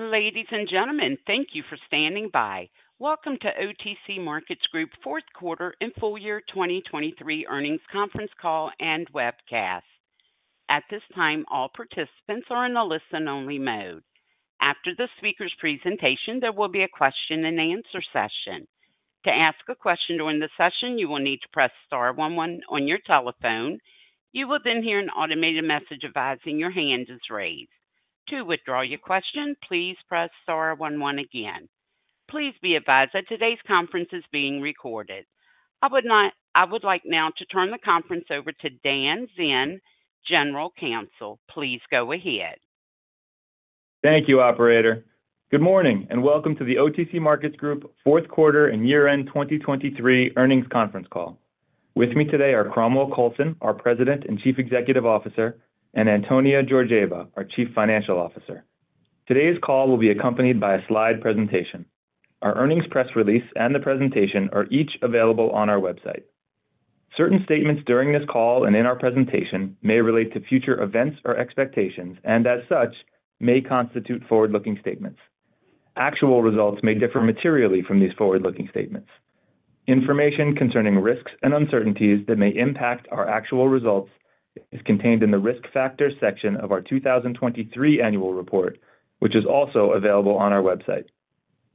Ladies and gentlemen, thank you for standing by. Welcome to OTC Markets Group fourth quarter and full year 2023 earnings conference call and webcast. At this time, all participants are in the listen-only mode. After the speaker's presentation, there will be a question-and-answer session. To ask a question during the session, you will need to press star one on your telephone. You will then hear an automated message advising your hand is raised. To withdraw your question, please press star one one again. Please be advised that today's conference is being recorded. I would like now to turn the conference over to Dan Zinn, General Counsel. Please go ahead. Thank you, operator. Good morning and welcome to the OTC Markets Group fourth quarter and year-end 2023 earnings conference call. With me today are Cromwell Coulson, our President and Chief Executive Officer, and Antonia Georgieva, our Chief Financial Officer. Today's call will be accompanied by a slide presentation. Our earnings press release and the presentation are each available on our website. Certain statements during this call and in our presentation may relate to future events or expectations and, as such, may constitute forward-looking statements. Actual results may differ materially from these forward-looking statements. Information concerning risks and uncertainties that may impact our actual results is contained in the risk factors section of our 2023 annual report, which is also available on our website.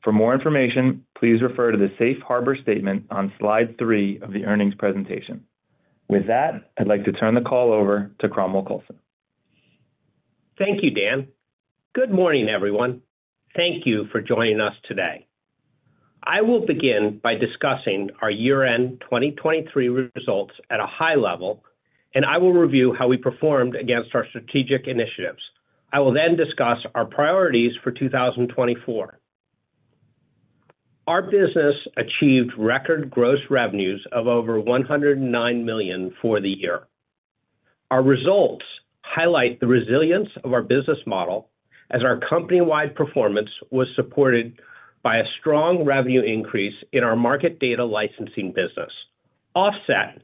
For more information, please refer to the safe harbor statement on slide 3 of the earnings presentation. With that, I'd like to turn the call over to Cromwell Coulson. Thank you, Dan. Good morning, everyone. Thank you for joining us today. I will begin by discussing our year-end 2023 results at a high level, and I will review how we performed against our strategic initiatives. I will then discuss our priorities for 2024. Our business achieved record gross revenues of over $109 million for the year. Our results highlight the resilience of our business model as our company-wide performance was supported by a strong revenue increase in our market data licensing business, offset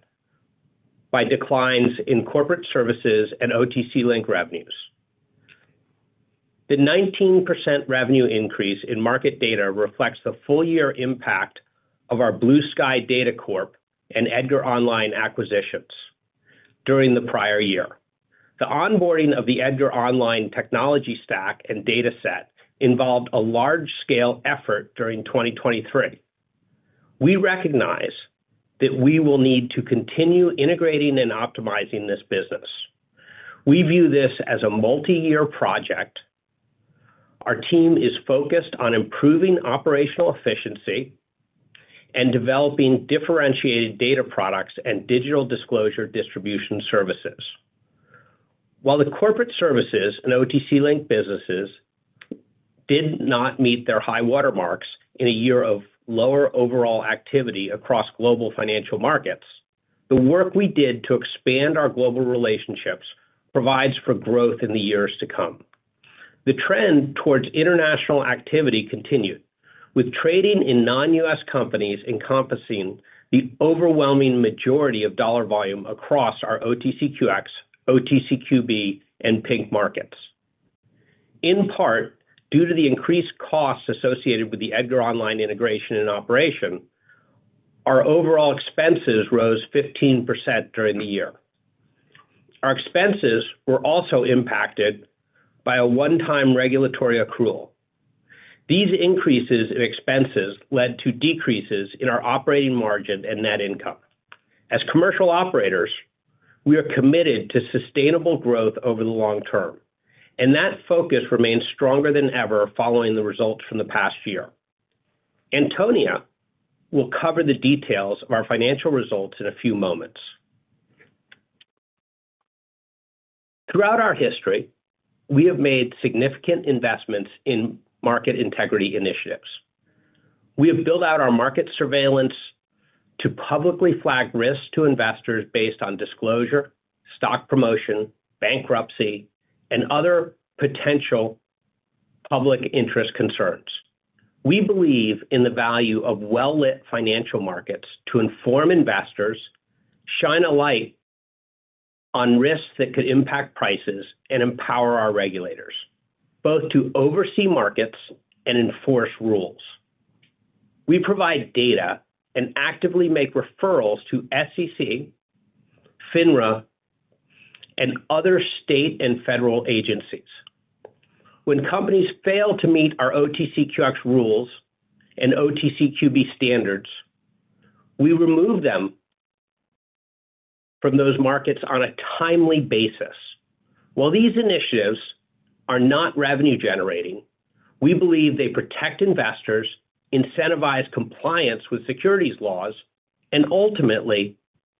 by declines in corporate services and OTC Link revenues. The 19% revenue increase in market data reflects the full-year impact of our Blue Sky Data Corp and EDGAR Online acquisitions during the prior year. The onboarding of the EDGAR Online technology stack and dataset involved a large-scale effort during 2023. We recognize that we will need to continue integrating and optimizing this business. We view this as a multi-year project. Our team is focused on improving operational efficiency and developing differentiated data products and digital disclosure distribution services. While the corporate services and OTC Like businesses did not meet their high watermarks in a year of lower overall activity across global financial markets, the work we did to expand our global relationships provides for growth in the years to come. The trend towards international activity continued, with trading in non-U.S. companies encompassing the overwhelming majority of dollar volume across our OTCQX, OTCQB, and Pink markets. In part due to the increased costs associated with the EDGAR Online integration and operation, our overall expenses rose 15% during the year. Our expenses were also impacted by a one-time regulatory accrual. These increases in expenses led to decreases in our operating margin and net income. As commercial operators, we are committed to sustainable growth over the long term, and that focus remains stronger than ever following the results from the past year. Antonia will cover the details of our financial results in a few moments. Throughout our history, we have made significant investments in market integrity initiatives. We have built out our market surveillance to publicly flag risks to investors based on disclosure, stock promotion, bankruptcy, and other potential public interest concerns. We believe in the value of well-lit financial markets to inform investors, shine a light on risks that could impact prices, and empower our regulators, both to oversee markets and enforce rules. We provide data and actively make referrals to SEC, FINRA, and other state and federal agencies. When companies fail to meet our OTCQX rules and OTCQB standards, we remove them from those markets on a timely basis. While these initiatives are not revenue-generating, we believe they protect investors, incentivize compliance with securities laws, and ultimately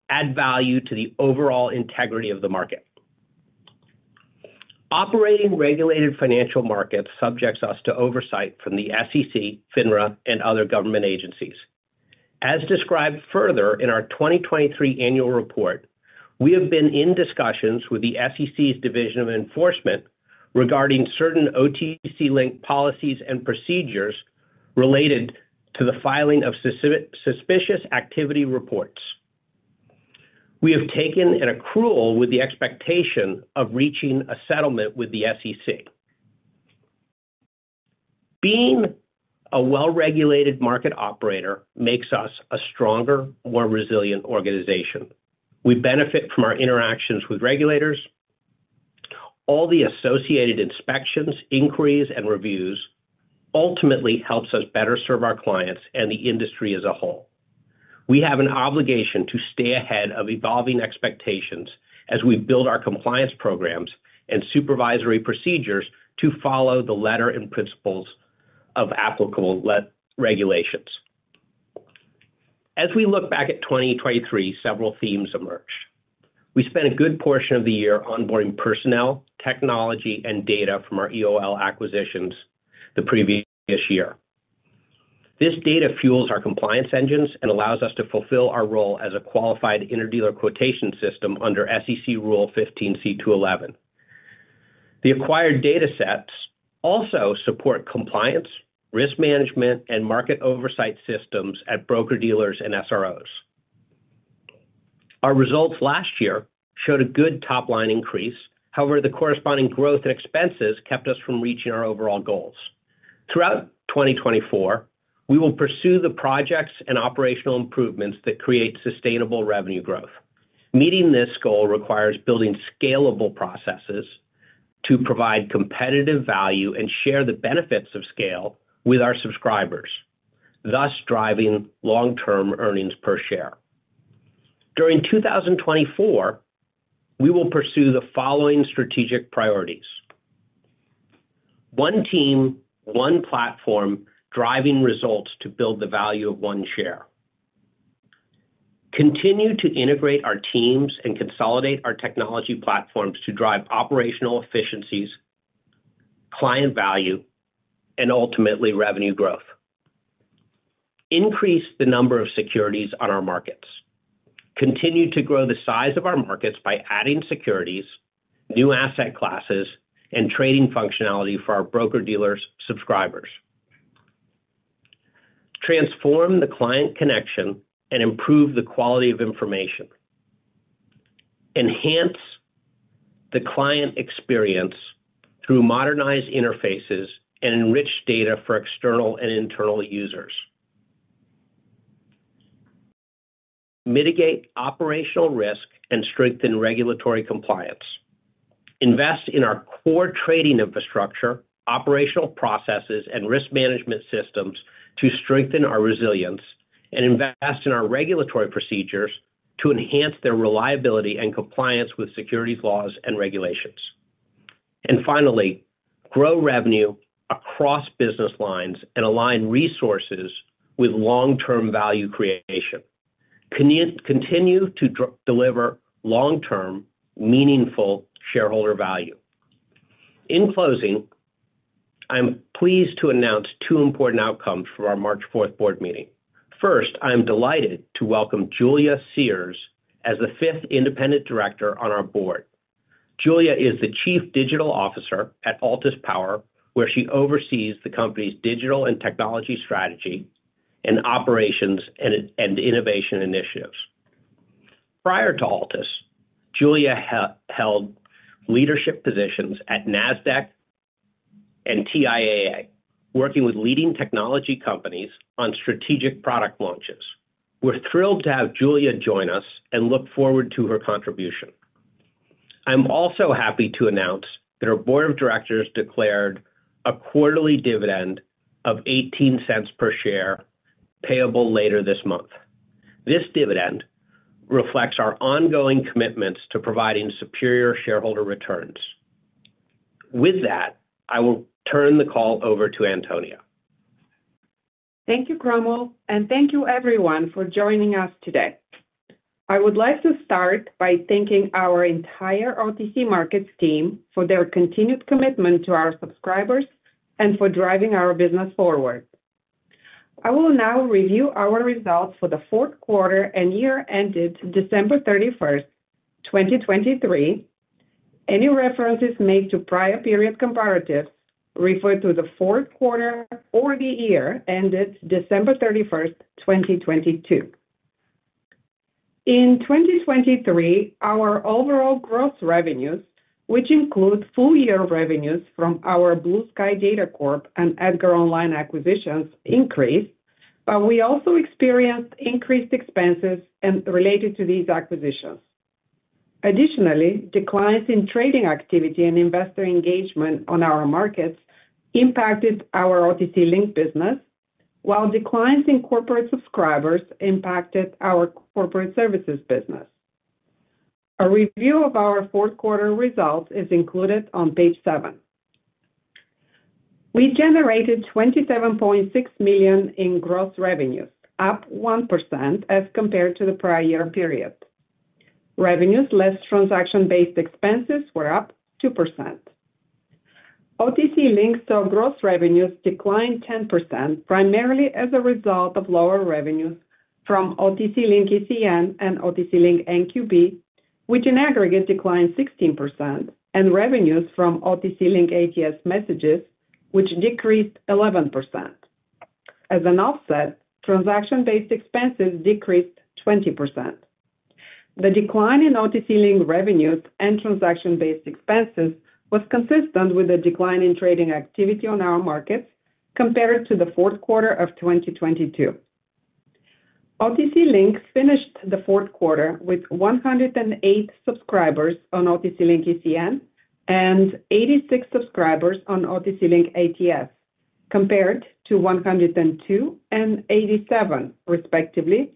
add value to the overall integrity of the market. Operating regulated financial markets subjects us to oversight from the SEC, FINRA, and other government agencies. As described further in our 2023 annual report, we have been in discussions with the SEC's Division of Enforcement regarding certain OTC Link policies and procedures related to the filing of Suspicious Activity Reports. We have taken an accrual with the expectation of reaching a settlement with the SEC. Being a well-regulated market operator makes us a stronger, more resilient organization. We benefit from our interactions with regulators. All the associated inspections, inquiries, and reviews ultimately help us better serve our clients and the industry as a whole. We have an obligation to stay ahead of evolving expectations as we build our compliance programs and supervisory procedures to follow the letter and principles of applicable regulations. As we look back at 2023, several themes emerged. We spent a good portion of the year onboarding personnel, technology, and data from our EOL acquisitions the previous year. This data fuels our compliance engines and allows us to fulfill our role as a qualified interdealer quotation system under SEC Rule 15c2-11. The acquired datasets also support compliance, risk management, and market oversight systems at broker-dealers and SROs. Our results last year showed a good top-line increase. However, the corresponding growth in expenses kept us from reaching our overall goals. Throughout 2024, we will pursue the projects and operational improvements that create sustainable revenue growth. Meeting this goal requires building scalable processes to provide competitive value and share the benefits of scale with our subscribers, thus driving long-term earnings per share. During 2024, we will pursue the following strategic priorities: One team, one platform, driving results to build the value of one share. Continue to integrate our teams and consolidate our technology platforms to drive operational efficiencies, client value, and ultimately revenue growth. Increase the number of securities on our markets. Continue to grow the size of our markets by adding securities, new asset classes, and trading functionality for our broker-dealers subscribers. Transform the client connection and improve the quality of information. Enhance the client experience through modernized interfaces and enriched data for external and internal users. Mitigate operational risk and strengthen regulatory compliance. Invest in our core trading infrastructure, operational processes, and risk management systems to strengthen our resilience, and invest in our regulatory procedures to enhance their reliability and compliance with securities laws and regulations. Finally, grow revenue across business lines and align resources with long-term value creation. Continue to deliver long-term, meaningful shareholder value. In closing, I'm pleased to announce two important outcomes from our March 4th board meeting. First, I'm delighted to welcome Julia Sears as the fifth independent director on our board. Julia is the Chief Digital Officer at Altus Power, where she oversees the company's digital and technology strategy and operations and innovation initiatives. Prior to Altus, Julia held leadership positions at Nasdaq and TIAA, working with leading technology companies on strategic product launches. We're thrilled to have Julia join us and look forward to her contribution. I'm also happy to announce that our board of directors declared a quarterly dividend of $0.18 per share payable later this month. This dividend reflects our ongoing commitments to providing superior shareholder returns. With that, I will turn the call over to Antonia. Thank you, Cromwell, and thank you, everyone, for joining us today. I would like to start by thanking our entire OTC Markets team for their continued commitment to our subscribers and for driving our business forward. I will now review our results for the fourth quarter and year ended December 31, 2023. Any references made to prior period comparatives refer to the fourth quarter or the year ended December 31, 2022. In 2023, our overall gross revenues, which include full-year revenues from our Blue Sky Data Corp and EDGAR Online acquisitions, increased, but we also experienced increased expenses related to these acquisitions. Additionally, declines in trading activity and investor engagement on our markets impacted our OTC Link business, while declines in corporate subscribers impacted our corporate services business. A review of our fourth quarter results is included on page 7. We generated $27.6 million in gross revenues, up 1% as compared to the prior year period. Revenues less transaction-based expenses were up 2%. OTC Link saw gross revenues decline 10% primarily as a result of lower revenues from OTC Link ECN and OTC Link NQB, which in aggregate declined 16%, and revenues from OTC Link ATS messages, which decreased 11%. As an offset, transaction-based expenses decreased 20%. The decline in OTC Link revenues and transaction-based expenses was consistent with the decline in trading activity on our markets compared to the fourth quarter of 2022. OTC Link finished the fourth quarter with 108 subscribers on OTC Link ECN and 86 subscribers on OTC Link ATS, compared to 102 and 87, respectively,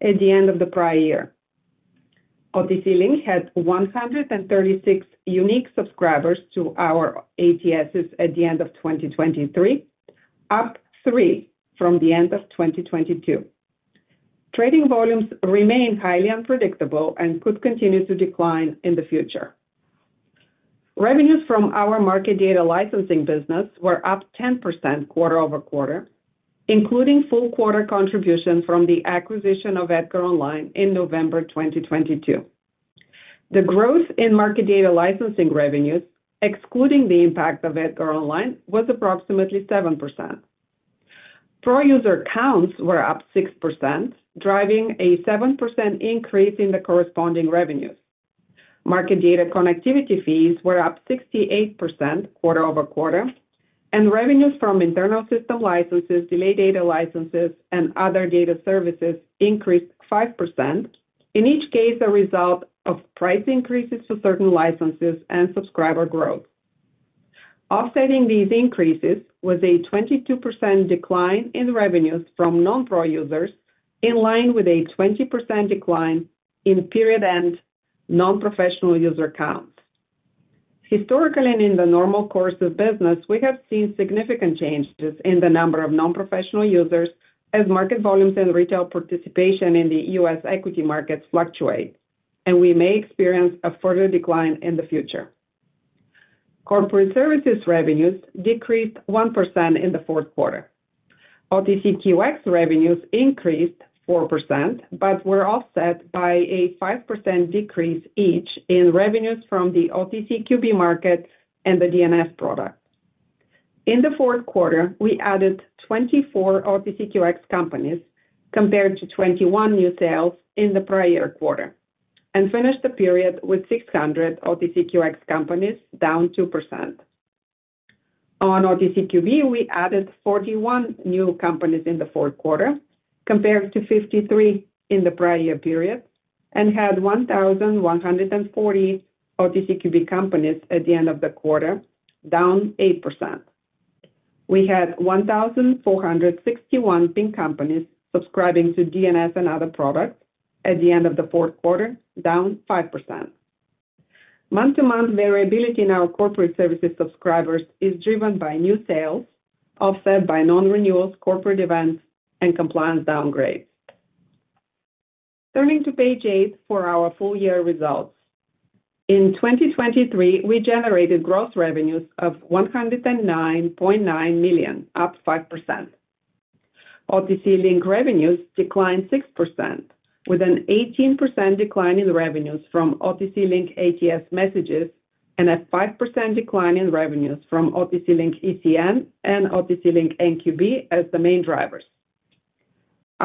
at the end of the prior year. OTC Link had 136 unique subscribers to our ATSs at the end of 2023, up 3 from the end of 2022. Trading volumes remain highly unpredictable and could continue to decline in the future. Revenues from our market data licensing business were up 10% quarter-over-quarter, including full-quarter contributions from the acquisition of EDGAR Online in November 2022. The growth in market data licensing revenues, excluding the impact of EDGAR Online, was approximately 7%. Pro-user counts were up 6%, driving a 7% increase in the corresponding revenues. Market data connectivity fees were up 68% quarter-over-quarter, and revenues from internal system licenses, delayed data licenses, and other data services increased 5%, in each case a result of price increases for certain licenses and subscriber growth. Offsetting these increases was a 22% decline in revenues from non-pro users, in line with a 20% decline in period-end non-professional user counts. Historically, and in the normal course of business, we have seen significant changes in the number of non-professional users as market volumes and retail participation in the U.S. equity markets fluctuate, and we may experience a further decline in the future. Corporate services revenues decreased 1% in the fourth quarter. OTCQX revenues increased 4% but were offset by a 5% decrease each in revenues from the OTCQB market and the DNS product. In the fourth quarter, we added 24 OTCQX companies compared to 21 new sales in the prior year quarter and finished the period with 600 OTCQX companies, down 2%. On OTCQB, we added 41 new companies in the fourth quarter compared to 53 in the prior year period and had 1,140 OTCQB companies at the end of the quarter, down 8%. We had 1,461 Pink companies subscribing to DNS and other products at the end of the fourth quarter, down 5%. Month-to-month variability in our corporate services subscribers is driven by new sales, offset by non-renewals, corporate events, and compliance downgrades. Turning to page 8 for our full-year results. In 2023, we generated gross revenues of $109.9 million, up 5%. OTC Link revenues declined 6%, with an 18% decline in revenues from OTC Link ATS messages and a 5% decline in revenues from OTC Link ECN and OTC Link NQB as the main drivers.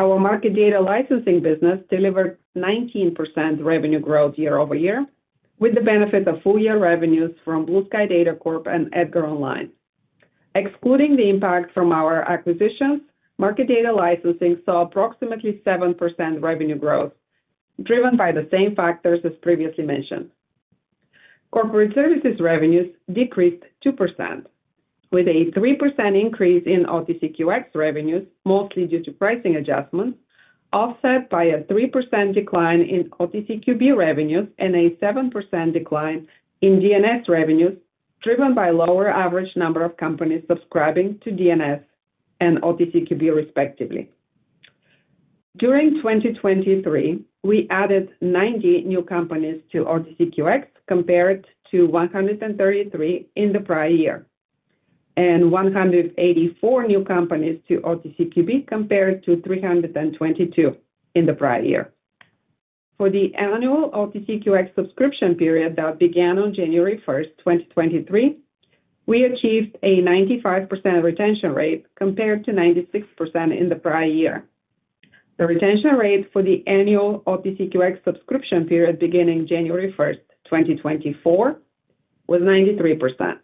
Our market data licensing business delivered 19% revenue growth year over year, with the benefit of full-year revenues from Blue Sky Data Corp and EDGAR Online. Excluding the impact from our acquisitions, market data licensing saw approximately 7% revenue growth, driven by the same factors as previously mentioned. Corporate services revenues decreased 2%, with a 3% increase in OTCQX revenues, mostly due to pricing adjustments, offset by a 3% decline in OTCQB revenues and a 7% decline in DNS revenues, driven by lower average number of companies subscribing to DNS and OTCQB, respectively. During 2023, we added 90 new companies to OTCQX compared to 133 in the prior year and 184 new companies to OTCQB compared to 322 in the prior year. For the annual OTCQX subscription period that began on January 1, 2023, we achieved a 95% retention rate compared to 96% in the prior year. The retention rate for the annual OTCQX subscription period beginning January 1, 2024, was 93%.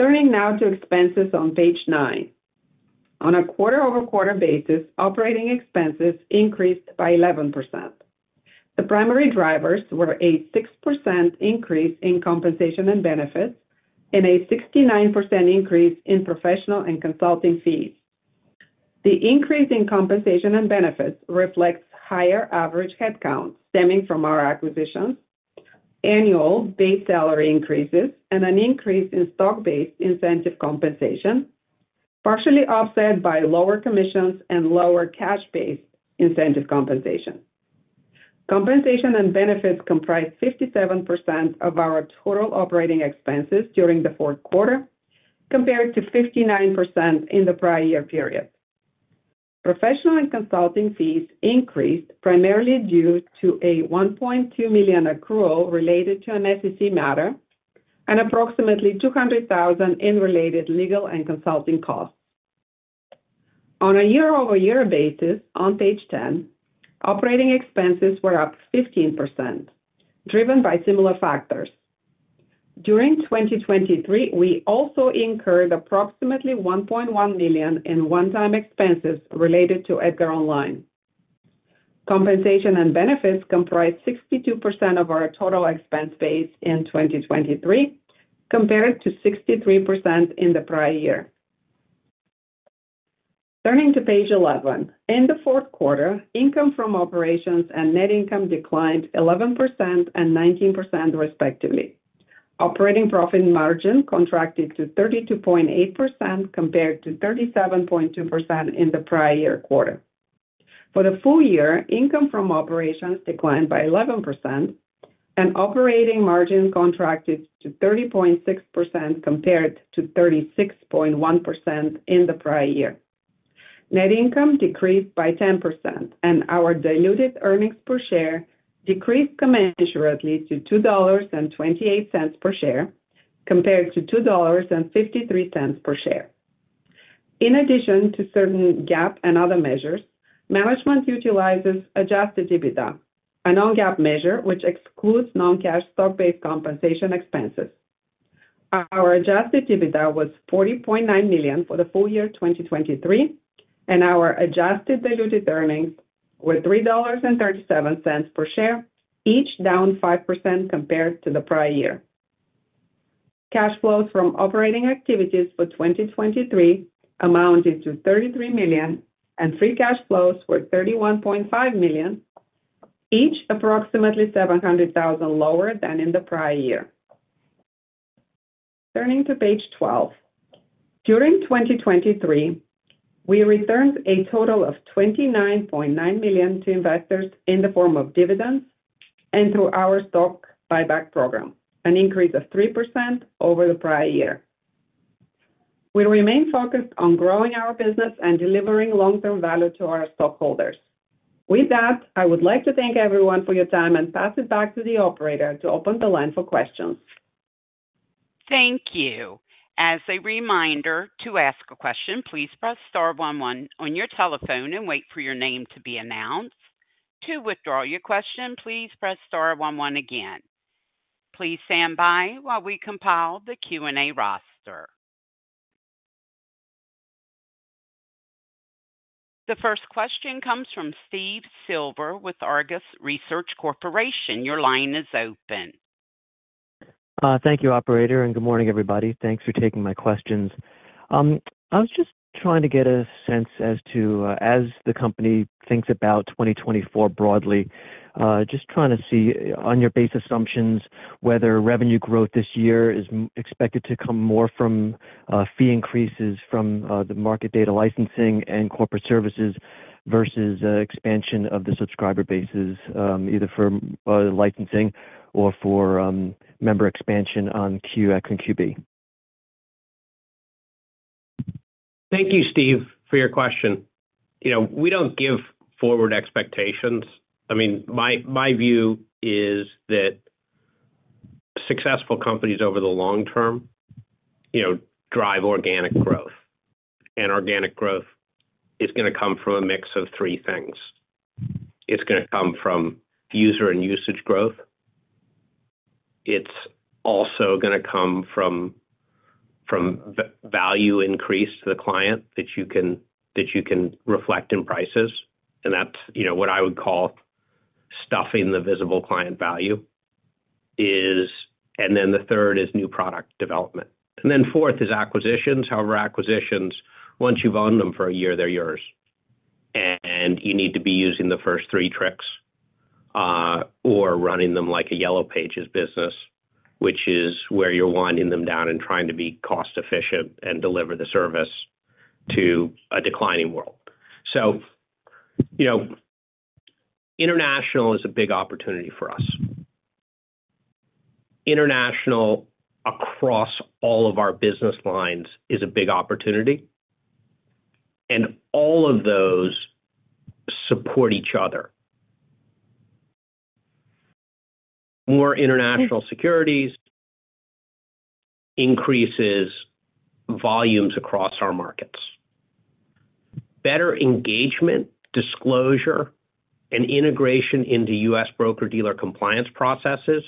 Turning now to expenses on page 9. On a quarter-over-quarter basis, operating expenses increased by 11%. The primary drivers were a 6% increase in compensation and benefits and a 69% increase in professional and consulting fees. The increase in compensation and benefits reflects higher average headcount stemming from our acquisitions, annual base salary increases, and an increase in stock-based incentive compensation, partially offset by lower commissions and lower cash-based incentive compensation. Compensation and benefits comprised 57% of our total operating expenses during the fourth quarter compared to 59% in the prior year period. Professional and consulting fees increased primarily due to a $1.2 million accrual related to an SEC matter and approximately $200,000 in related legal and consulting costs. On a year-over-year basis, on page 10, operating expenses were up 15%, driven by similar factors. During 2023, we also incurred approximately $1.1 million in one-time expenses related to EDGAR Online. Compensation and benefits comprised 62% of our total expense base in 2023 compared to 63% in the prior year. Turning to page 11. In the fourth quarter, income from operations and net income declined 11% and 19%, respectively. Operating profit margin contracted to 32.8% compared to 37.2% in the prior year quarter. For the full year, income from operations declined by 11%, and operating margin contracted to 30.6% compared to 36.1% in the prior year. Net income decreased by 10%, and our diluted earnings per share decreased commensurately to $2.28 per share compared to $2.53 per share. In addition to certain GAAP and other measures, management utilizes adjusted EBITDA, a non-GAAP measure which excludes non-cash stock-based compensation expenses. Our adjusted EBITDA was $40.9 million for the full year 2023, and our adjusted diluted earnings were $3.37 per share, each down 5% compared to the prior year. Cash flows from operating activities for 2023 amounted to $33 million, and free cash flows were $31.5 million, each approximately $700,000 lower than in the prior year. Turning to page 12. During 2023, we returned a total of $29.9 million to investors in the form of dividends and through our stock buyback program, an increase of 3% over the prior year. We remain focused on growing our business and delivering long-term value to our stockholders. With that, I would like to thank everyone for your time and pass it back to the operator to open the line for questions. Thank you. As a reminder, to ask a question, please press star 11 on your telephone and wait for your name to be announced. To withdraw your question, please press star 11 again. Please stand by while we compile the Q&A roster. The first question comes from Steve Silver with Argus Research Corporation. Your line is open. Thank you, operator, and good morning, everybody. Thanks for taking my questions. I was just trying to get a sense as to the company thinks about 2024 broadly, just trying to see, on your base assumptions, whether revenue growth this year is expected to come more from fee increases from the market data licensing and corporate services versus expansion of the subscriber bases, either for licensing or for member expansion on QX and QB. Thank you, Steve, for your question. We don't give forward expectations. I mean, my view is that successful companies over the long term drive organic growth, and organic growth is going to come from a mix of three things. It's going to come from user and usage growth. It's also going to come from value increase to the client that you can reflect in prices. And that's what I would call stuffing the visible client value. And then the third is new product development. And then fourth is acquisitions. However, acquisitions, once you've owned them for a year, they're yours. And you need to be using the first three tricks or running them like a Yellow Pages business, which is where you're winding them down and trying to be cost-efficient and deliver the service to a declining world. So international is a big opportunity for us. International across all of our business lines is a big opportunity, and all of those support each other. More international securities increases volumes across our markets. Better engagement, disclosure, and integration into U.S. broker-dealer compliance processes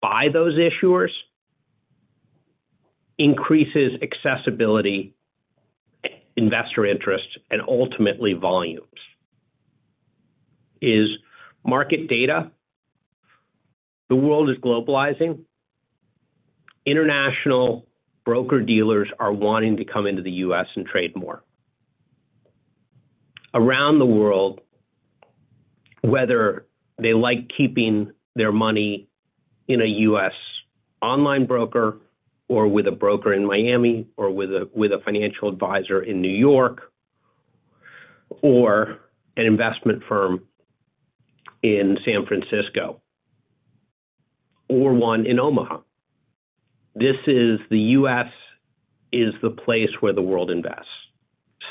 by those issuers increases accessibility, investor interest, and ultimately volumes. In market data? The world is globalizing. International broker-dealers are wanting to come into the U.S. and trade more. Around the world, whether they like keeping their money in a U.S. online broker or with a broker in Miami or with a financial advisor in New York or an investment firm in San Francisco or one in Omaha, the U.S. is the place where the world invests.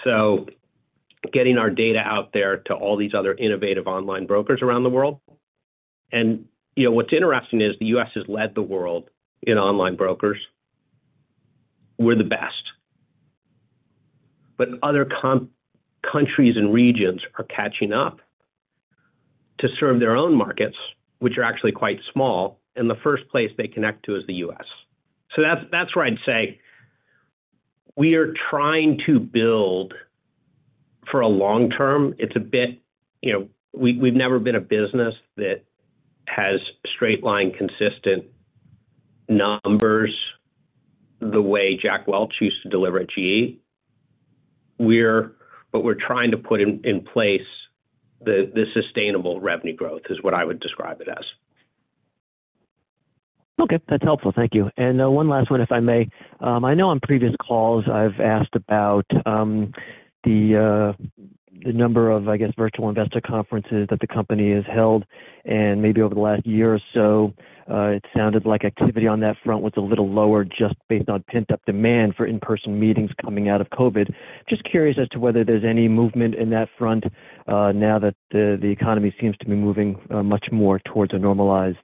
So getting our data out there to all these other innovative online brokers around the world. And what's interesting is the U.S. has led the world in online brokers. We're the best. But other countries and regions are catching up to serve their own markets, which are actually quite small, and the first place they connect to is the U.S. So that's where I'd say we are trying to build for a long term. It's a bit we've never been a business that has straight-line consistent numbers the way Jack Welch used to deliver at GE. But we're trying to put in place the sustainable revenue growth is what I would describe it as. Okay. That's helpful. Thank you. And one last one, if I may. I know on previous calls, I've asked about the number of, I guess, virtual investor conferences that the company has held. And maybe over the last year or so, it sounded like activity on that front was a little lower just based on pent-up demand for in-person meetings coming out of COVID. Just curious as to whether there's any movement in that front now that the economy seems to be moving much more towards a normalized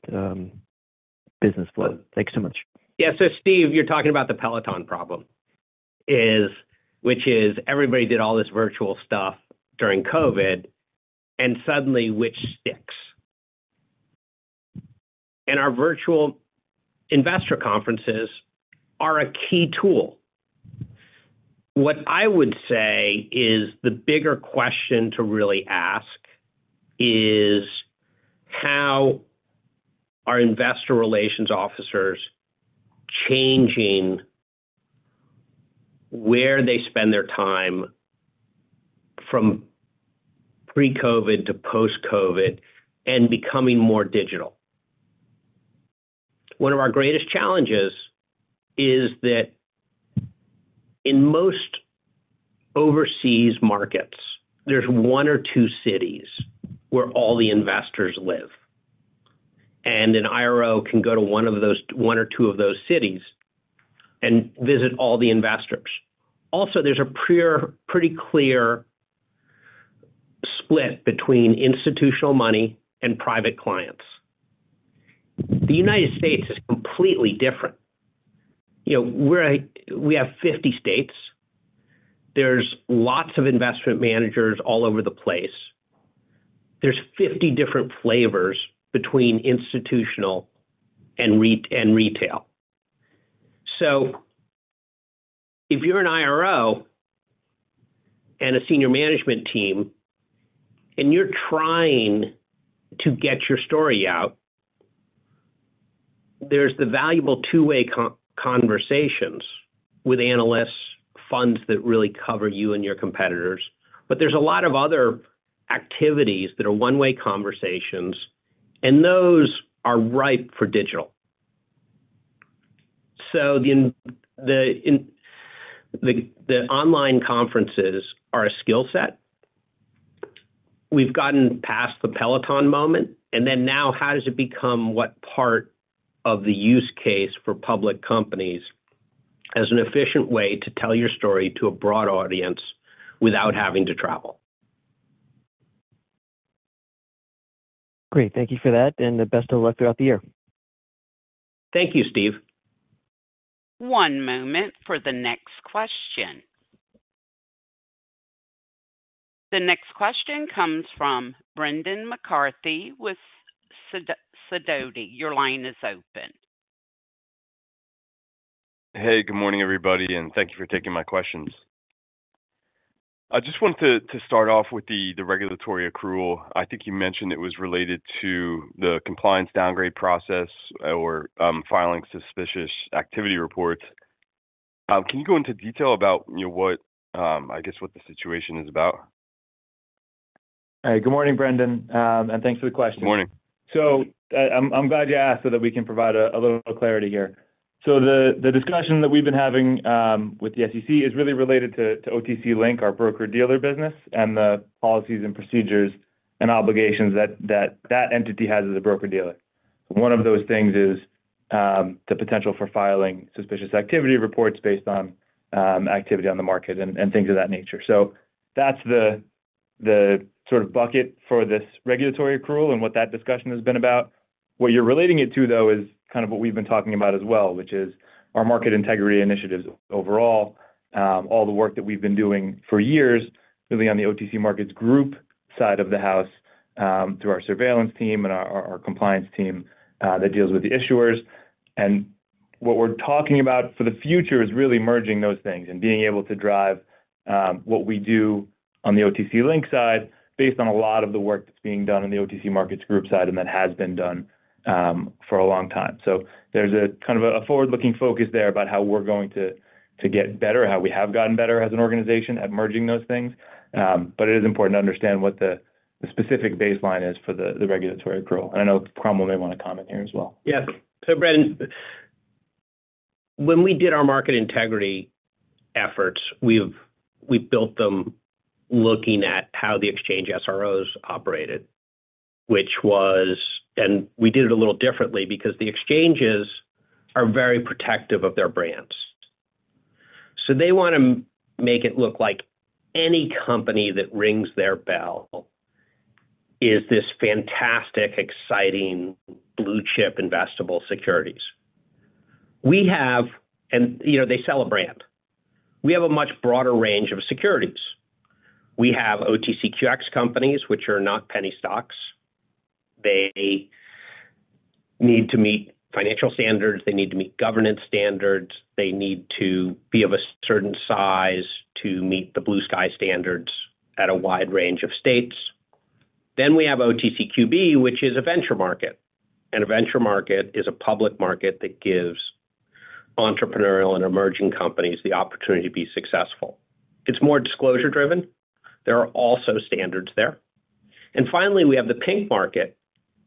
business flow. Thanks so much. Yeah. So, Steve, you're talking about the Peloton problem, which is everybody did all this virtual stuff during COVID, and suddenly which sticks? And our virtual investor conferences are a key tool. What I would say is the bigger question to really ask is how are investor relations officers changing where they spend their time from pre-COVID to post-COVID and becoming more digital? One of our greatest challenges is that in most overseas markets, there's one or two cities where all the investors live. And an IRO can go to one or two of those cities and visit all the investors. Also, there's a pretty clear split between institutional money and private clients. The United States is completely different. We have 50 states. There's lots of investment managers all over the place. There's 50 different flavors between institutional and retail. So if you're an IRO and a senior management team and you're trying to get your story out, there's the valuable two-way conversations with analysts, funds that really cover you and your competitors. But there's a lot of other activities that are one-way conversations, and those are ripe for digital. So the online conferences are a skill set. We've gotten past the Peloton moment. And then now, how does it become what part of the use case for public companies as an efficient way to tell your story to a broad audience without having to travel? Great. Thank you for that, and the best of luck throughout the year. Thank you, Steve. One moment for the next question. The next question comes from Brendan McCarthy with Sidoti. Your line is open. Hey. Good morning, everybody, and thank you for taking my questions. I just wanted to start off with the regulatory accrual. I think you mentioned it was related to the compliance downgrade process or filing Suspicious Activity Reports. Can you go into detail about, I guess, what the situation is about? Hey. Good morning, Brendan, and thanks for the question. Good morning. I'm glad you asked so that we can provide a little clarity here. The discussion that we've been having with the SEC is really related to OTC Link, our broker-dealer business, and the policies and procedures and obligations that that entity has as a broker-dealer. One of those things is the potential for filing suspicious activity reports based on activity on the market and things of that nature. That's the sort of bucket for this regulatory accrual and what that discussion has been about. What you're relating it to, though, is kind of what we've been talking about as well, which is our market integrity initiatives overall, all the work that we've been doing for years really on the OTC Markets Group side of the house through our surveillance team and our compliance team that deals with the issuers. What we're talking about for the future is really merging those things and being able to drive what we do on the OTC Link side based on a lot of the work that's being done on the OTC Markets Group side and that has been done for a long time. So there's kind of a forward-looking focus there about how we're going to get better, how we have gotten better as an organization at merging those things. But it is important to understand what the specific baseline is for the regulatory accrual. And I know Cromwell may want to comment here as well. Yes. So, Brendan, when we did our market integrity efforts, we built them looking at how the exchange SROs operated, which was and we did it a little differently because the exchanges are very protective of their brands. So they want to make it look like any company that rings their bell is this fantastic, exciting blue-chip investable securities. And they sell a brand. We have a much broader range of securities. We have OTCQX companies, which are not penny stocks. They need to meet financial standards. They need to meet governance standards. They need to be of a certain size to meet the Blue Sky standards at a wide range of states. Then we have OTCQB, which is a venture market. And a venture market is a public market that gives entrepreneurial and emerging companies the opportunity to be successful. It's more disclosure-driven. There are also standards there. And finally, we have the Pink market,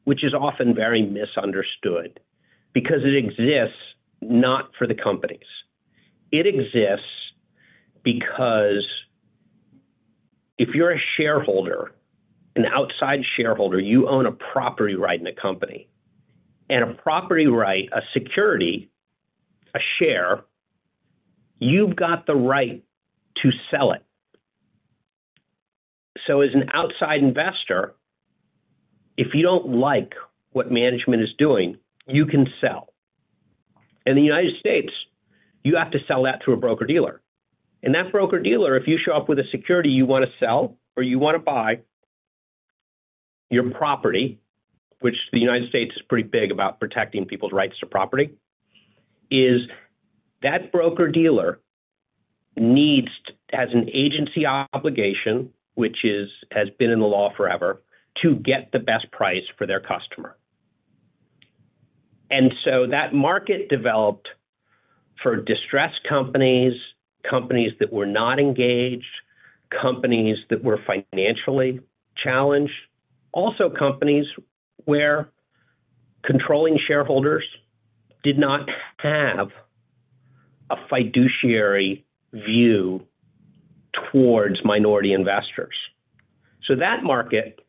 which is often very misunderstood because it exists not for the companies. It exists because if you're a shareholder, an outside shareholder, you own a property right in a company. And a property right, a security, a share, you've got the right to sell it. So as an outside investor, if you don't like what management is doing, you can sell. In the United States, you have to sell that through a broker-dealer. And that broker-dealer, if you show up with a security you want to sell or you want to buy, your property, which the United States is pretty big about protecting people's rights to property, that broker-dealer has an agency obligation, which has been in the law forever, to get the best price for their customer. And so that market developed for distressed companies, companies that were not engaged, companies that were financially challenged, also companies where controlling shareholders did not have a fiduciary view towards minority investors. So that market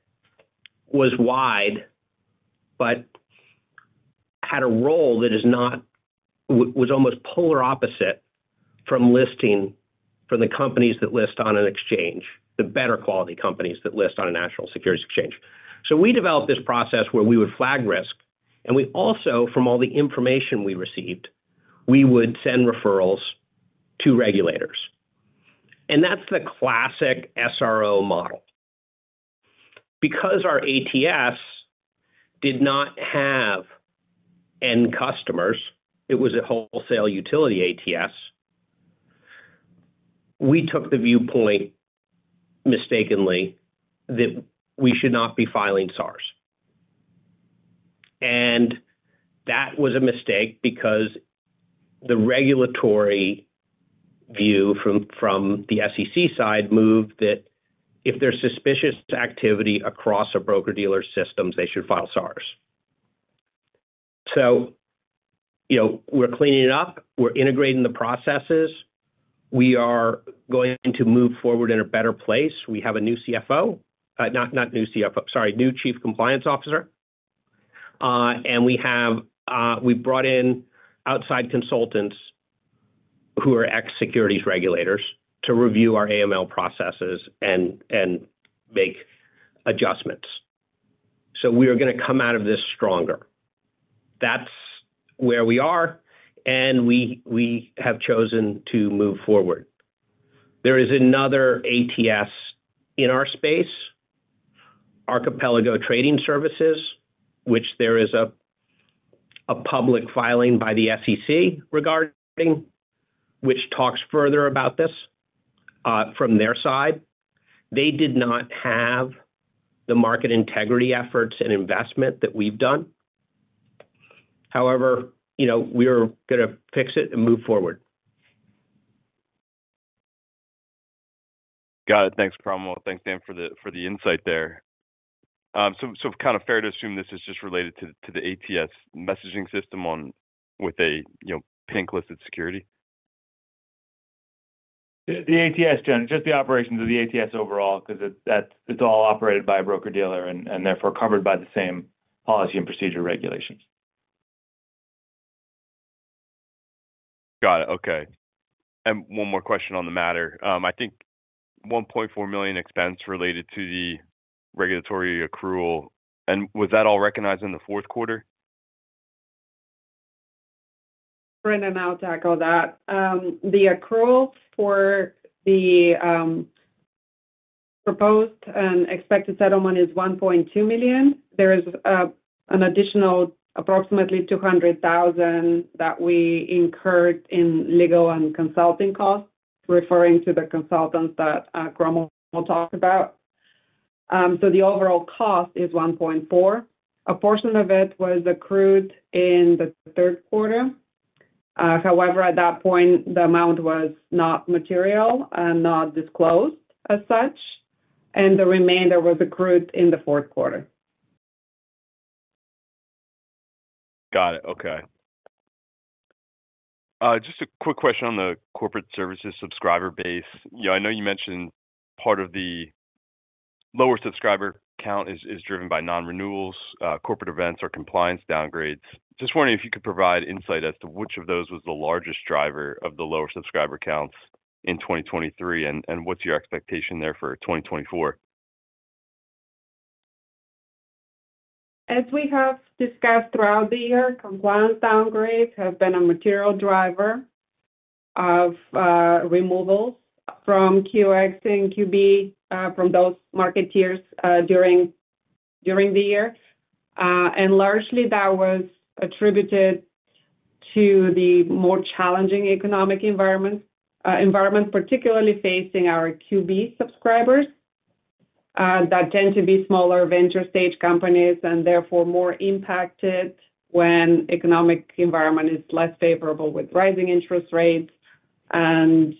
was wide but had a role that was almost polar opposite from the companies that list on an exchange, the better-quality companies that list on a national securities exchange. So we developed this process where we would flag risk. And also, from all the information we received, we would send referrals to regulators. And that's the classic SRO model. Because our ATS did not have end customers, it was a wholesale utility ATS, we took the viewpoint mistakenly that we should not be filing SARs. And that was a mistake because the regulatory view from the SEC side moved that if there's suspicious activity across a broker-dealer system, they should file SARs. So we're cleaning it up. We're integrating the processes. We are going to move forward in a better place. We have a new CFO not new CFO, sorry, new Chief Compliance Officer. And we brought in outside consultants who are ex-securities regulators to review our AML processes and make adjustments. So we are going to come out of this stronger. That's where we are, and we have chosen to move forward. There is another ATS in our space, Archipelago Trading Services, which there is a public filing by the SEC regarding, which talks further about this from their side. They did not have the market integrity efforts and investment that we've done. However, we are going to fix it and move forward. Got it. Thanks, Cromwell. Thanks, Dan, for the insight there. So kind of fair to assume this is just related to the ATS messaging system with a Pink-listed security? The ATS, John. Just the operations of the ATS overall because it's all operated by a broker-dealer and therefore covered by the same policy and procedure regulations. Got it. Okay. One more question on the matter. I think $1.4 million expense related to the regulatory accrual. Was that all recognized in the fourth quarter? Brendan, I'll tackle that. The accrual for the proposed and expected settlement is $1.2 million. There is an additional approximately $200,000 that we incurred in legal and consulting costs, referring to the consultants that Cromwell talked about. So the overall cost is $1.4 million. A portion of it was accrued in the third quarter. However, at that point, the amount was not material and not disclosed as such. The remainder was accrued in the fourth quarter. Got it. Okay. Just a quick question on the corporate services subscriber base. I know you mentioned part of the lower subscriber count is driven by non-renewals, corporate events, or compliance downgrades. Just wondering if you could provide insight as to which of those was the largest driver of the lower subscriber counts in 2023, and what's your expectation there for 2024? As we have discussed throughout the year, compliance downgrades have been a material driver of removals from QX and QB from those market tiers during the year. Largely, that was attributed to the more challenging economic environment, particularly facing our QB subscribers that tend to be smaller venture-stage companies and therefore more impacted when the economic environment is less favorable with rising interest rates and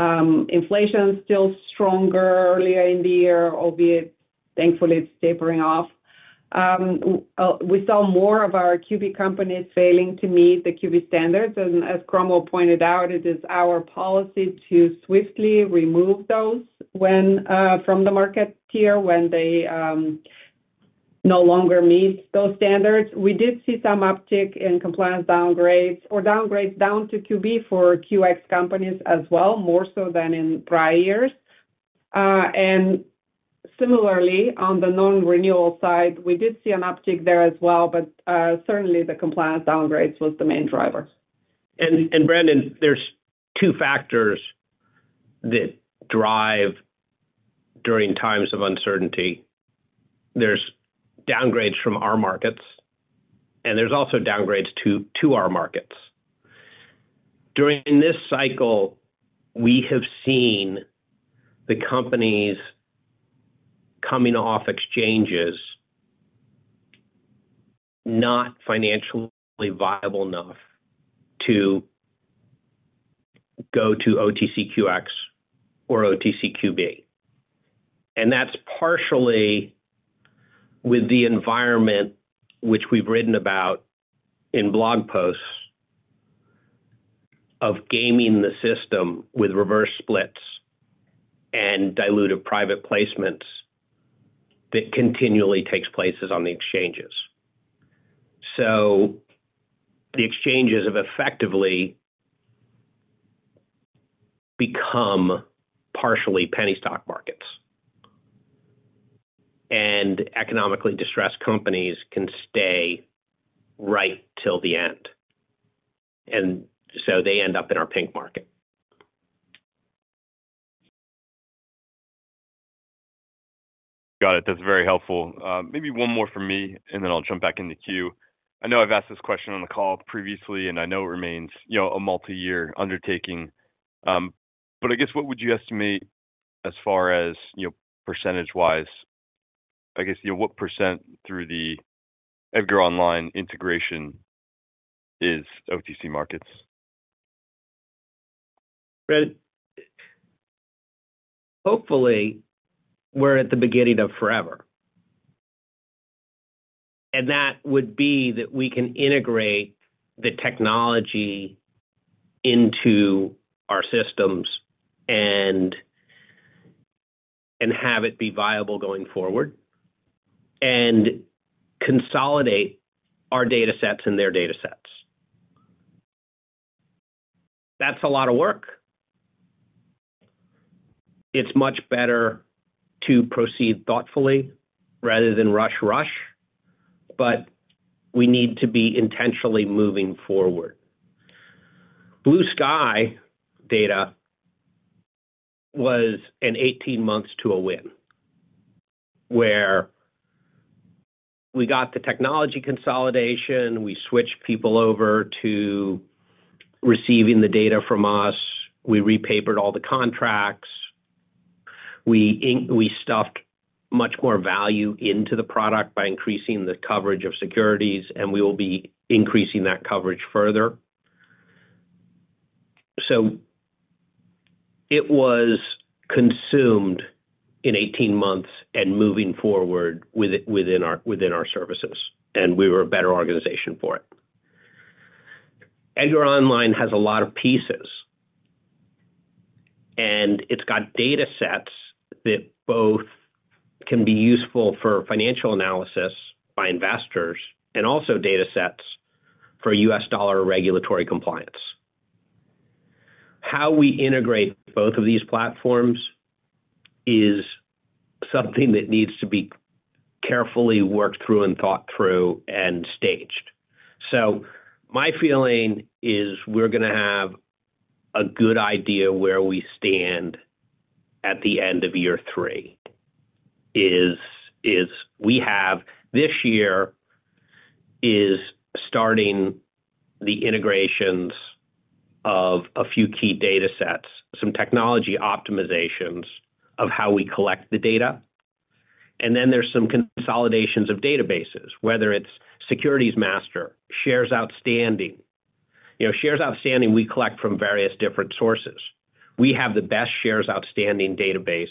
inflation still stronger earlier in the year, albeit thankfully, it's tapering off. We saw more of our QB companies failing to meet the QB standards. As Cromwell pointed out, it is our policy to swiftly remove those from the market tier when they no longer meet those standards. We did see some uptick in compliance downgrades or downgrades down to QB for QX companies as well, more so than in prior years. Similarly, on the non-renewal side, we did see an uptick there as well, but certainly, the compliance downgrades was the main driver. Brendan, there's two factors that drive during times of uncertainty. There's downgrades from our markets, and there's also downgrades to our markets. During this cycle, we have seen the companies coming off exchanges not financially viable enough to go to OTCQX or OTCQB. That's partially with the environment, which we've written about in blog posts, of gaming the system with reverse splits and dilutive private placements that continually take place on the exchanges. So the exchanges have effectively become partially penny stock markets. Economically distressed companies can stay right till the end. So they end up in our Pink market. Got it. That's very helpful. Maybe one more from me, and then I'll jump back in the queue. I know I've asked this question on the call previously, and I know it remains a multi-year undertaking. But I guess what would you estimate as far as percentage-wise? I guess what % through the EDGAR Online integration is OTC Markets? Hopefully, we're at the beginning of forever. And that would be that we can integrate the technology into our systems and have it be viable going forward and consolidate our datasets and their datasets. That's a lot of work. It's much better to proceed thoughtfully rather than rush, rush. But we need to be intentionally moving forward. Blue Sky Data was an 18 months to a win where we got the technology consolidation. We switched people over to receiving the data from us. We repapered all the contracts. We stuffed much more value into the product by increasing the coverage of securities, and we will be increasing that coverage further. So it was consumed in 18 months and moving forward within our services, and we were a better organization for it. EDGAR Online has a lot of pieces, and it's got datasets that both can be useful for financial analysis by investors and also datasets for U.S. dollar regulatory compliance. How we integrate both of these platforms is something that needs to be carefully worked through and thought through and staged. So my feeling is we're going to have a good idea where we stand at the end of year three. This year is starting the integrations of a few key datasets, some technology optimizations of how we collect the data. Then there's some consolidations of databases, whether it's Securities Master, Shares Outstanding. Shares Outstanding, we collect from various different sources. We have the best Shares Outstanding database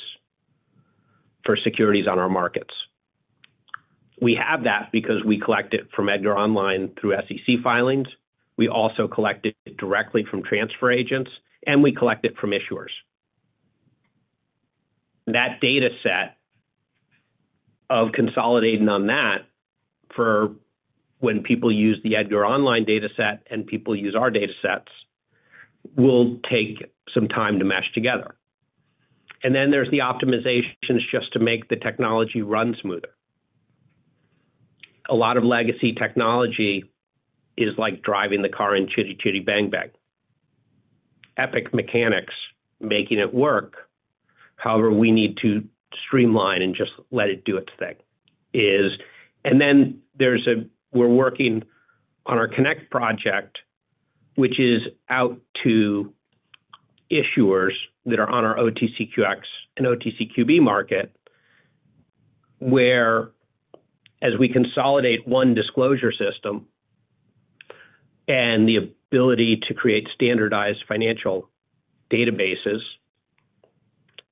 for securities on our markets. We have that because we collect it from EDGAR Online through SEC filings. We also collect it directly from transfer agents, and we collect it from issuers. That dataset of consolidating on that for when people use the EDGAR Online dataset and people use our datasets will take some time to mesh together. And then there's the optimizations just to make the technology run smoother. A lot of legacy technology is like driving the car in Chitty Chitty Bang Bang. Epic mechanics making it work. However, we need to streamline and just let it do its thing. Then we're working on our Connect project, which is out to issuers that are on our OTCQX and OTCQB market where, as we consolidate one disclosure system and the ability to create standardized financial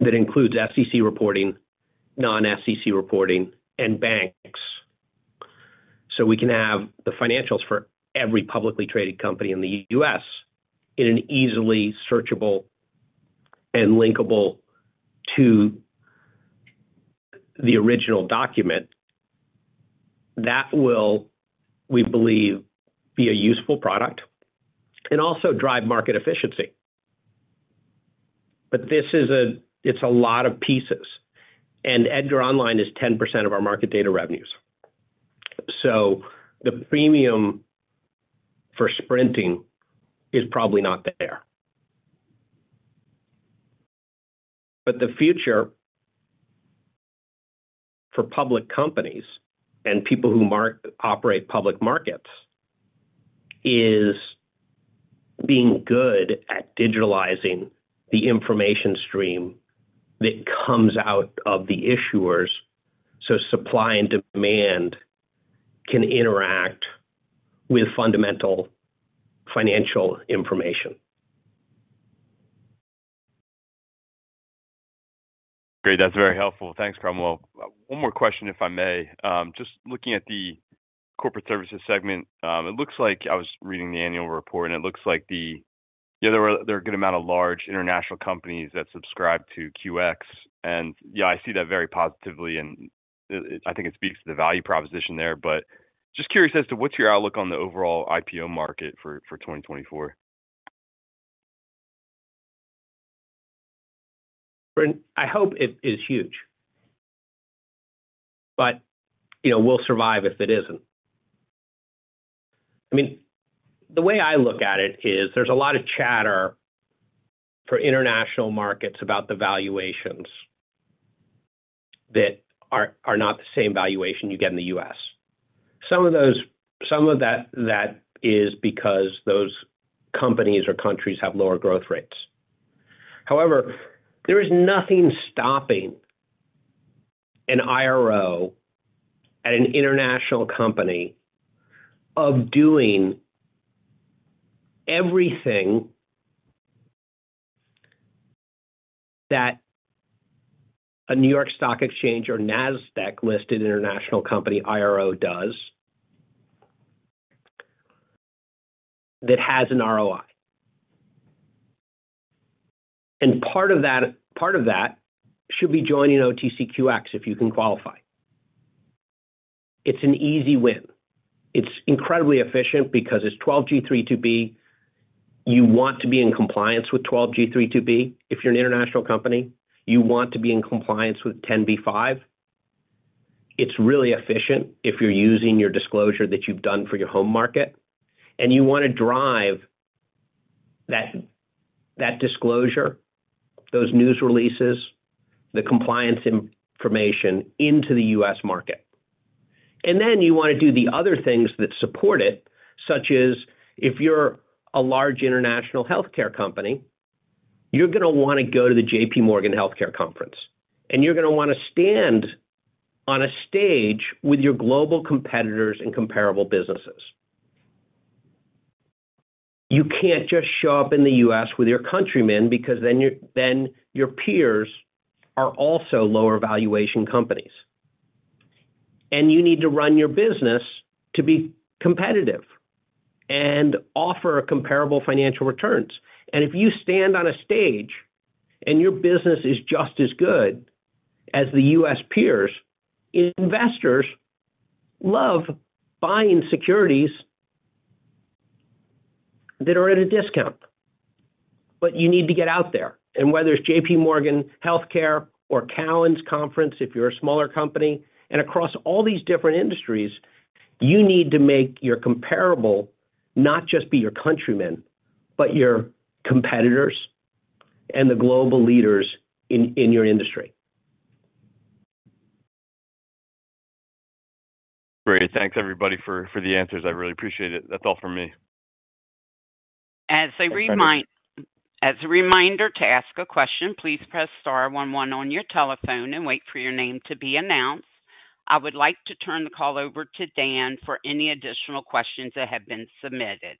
databases that includes SEC reporting, non-SEC reporting, and banks, so we can have the financials for every publicly traded company in the U.S. in an easily searchable and linkable to the original document, that will, we believe, be a useful product and also drive market efficiency. But it's a lot of pieces. EDGAR Online is 10% of our market data revenues. The premium for sprinting is probably not there. But the future for public companies and people who operate public markets is being good at digitalizing the information stream that comes out of the issuers so supply and demand can interact with fundamental financial information. Great. That's very helpful. Thanks, Cromwell. One more question, if I may. Just looking at the corporate services segment, it looks like I was reading the annual report, and it looks like there are a good amount of large international companies that subscribe to QX. And I see that very positively, and I think it speaks to the value proposition there. But just curious as to what's your outlook on the overall IPO market for 2024? I hope it is huge, but we'll survive if it isn't. I mean, the way I look at it is there's a lot of chatter for international markets about the valuations that are not the same valuation you get in the U.S. Some of that is because those companies or countries have lower growth rates. However, there is nothing stopping an IRO at an international company of doing everything that a New York Stock Exchange or Nasdaq-listed international company IRO does that has an ROI. And part of that should be joining OTCQX if you can qualify. It's an easy win. It's incredibly efficient because it's 12g3-2(b). You want to be in compliance with 12g3-2(b) if you're an international company. You want to be in compliance with 10b-5. It's really efficient if you're using your disclosure that you've done for your home market. You want to drive that disclosure, those news releases, the compliance information into the U.S. market. Then you want to do the other things that support it, such as if you're a large international healthcare company, you're going to want to go to the J.P. Morgan Healthcare Conference, and you're going to want to stand on a stage with your global competitors and comparable businesses. You can't just show up in the U.S. with your countrymen because then your peers are also lower-valuation companies. You need to run your business to be competitive and offer comparable financial returns. If you stand on a stage and your business is just as good as the U.S. peers, investors love buying securities that are at a discount. But you need to get out there. Whether it's J.P. Morgan Healthcare or Cowen’s Conference, if you're a smaller company, and across all these different industries, you need to make your comparable not just be your countrymen, but your competitors and the global leaders in your industry. Great. Thanks, everybody, for the answers. I really appreciate it. That's all from me. As a reminder, to ask a question, please press star one one on your telephone and wait for your name to be announced. I would like to turn the call over to Dan for any additional questions that have been submitted.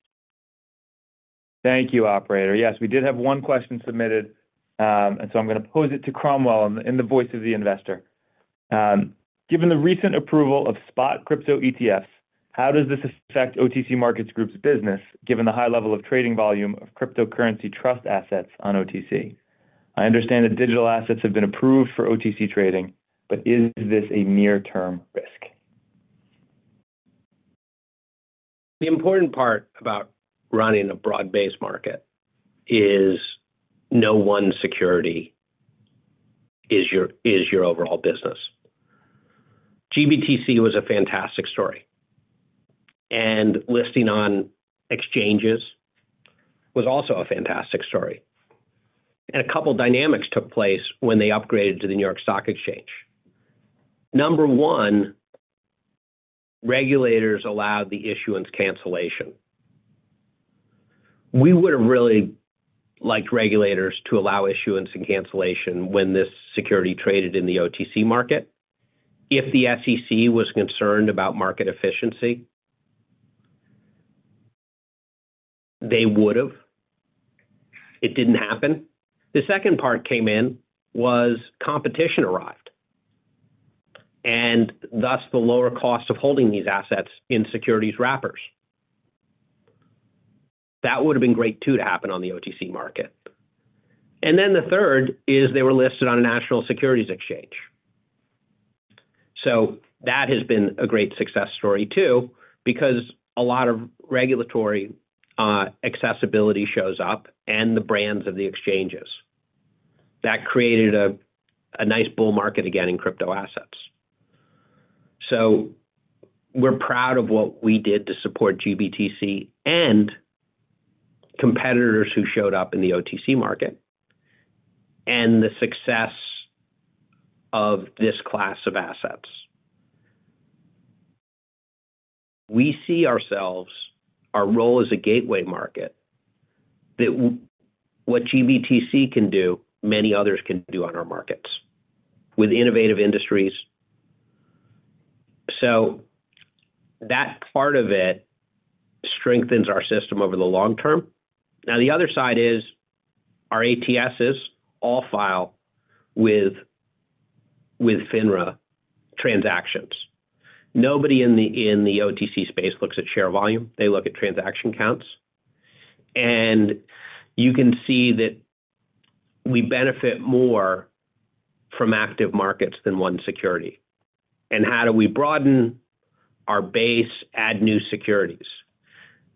Thank you, operator. Yes, we did have one question submitted, and so I'm going to pose it to Cromwell in the voice of the investor. Given the recent approval of spot crypto ETFs, how does this affect OTC Markets Group's business given the high level of trading volume of cryptocurrency trust assets on OTC? I understand that digital assets have been approved for OTC trading, but is this a near-term risk? The important part about running a broad-based market is no one security is your overall business. GBTC was a fantastic story, and listing on exchanges was also a fantastic story. A couple of dynamics took place when they upgraded to the New York Stock Exchange. Number one, regulators allowed the issuance cancellation. We would have really liked regulators to allow issuance and cancellation when this security traded in the OTC market. If the SEC was concerned about market efficiency, they would have. It didn't happen. The second part came in was competition arrived, and thus the lower cost of holding these assets in securities wrappers. That would have been great too to happen on the OTC market. Then the third is they were listed on a national securities exchange. So that has been a great success story too because a lot of regulatory accessibility shows up and the brands of the exchanges. That created a nice bull market again in crypto assets. So we're proud of what we did to support GBTC and competitors who showed up in the OTC market and the success of this class of assets. We see ourselves, our role as a gateway market, that what GBTC can do, many others can do on our markets with innovative industries. So that part of it strengthens our system over the long term. Now, the other side is our ATSs all file with FINRA transactions. Nobody in the OTC space looks at share volume. They look at transaction counts. And you can see that we benefit more from active markets than one security. And how do we broaden our base, add new securities?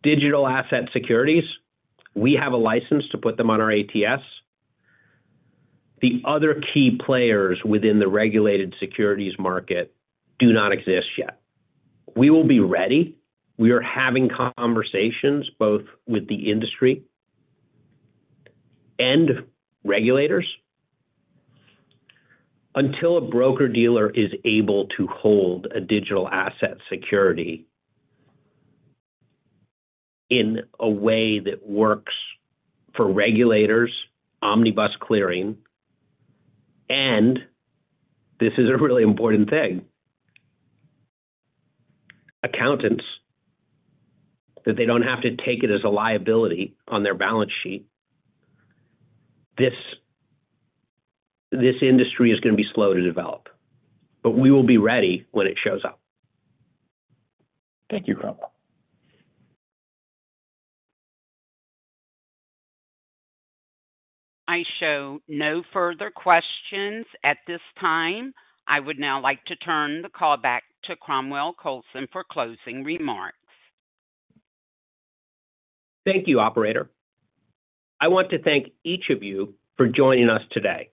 Digital asset securities, we have a license to put them on our ATS. The other key players within the regulated securities market do not exist yet. We will be ready. We are having conversations both with the industry and regulators until a broker-dealer is able to hold a digital asset security in a way that works for regulators, omnibus clearing, and this is a really important thing, accountants, that they don't have to take it as a liability on their balance sheet. This industry is going to be slow to develop, but we will be ready when it shows up. Thank you, Cromwell. I show no further questions at this time. I would now like to turn the call back to Cromwell Coulson for closing remarks. Thank you, operator. I want to thank each of you for joining us today.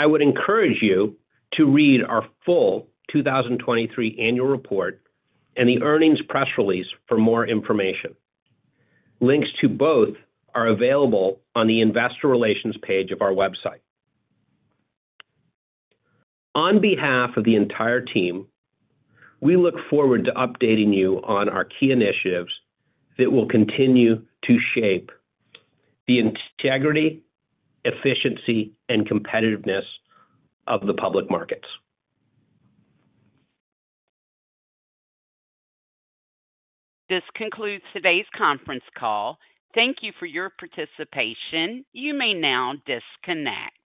I would encourage you to read our full 2023 annual report and the earnings press release for more information. Links to both are available on the investor relations page of our website. On behalf of the entire team, we look forward to updating you on our key initiatives that will continue to shape the integrity, efficiency, and competitiveness of the public markets. This concludes today's conference call. Thank you for your participation. You may now disconnect.